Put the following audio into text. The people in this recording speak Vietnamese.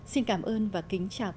xin cảm ơn và kính chào tạm biệt